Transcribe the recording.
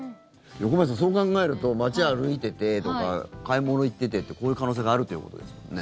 横山さん、そう考えると街歩いててとか買い物行っててこういう可能性があるということですもんね。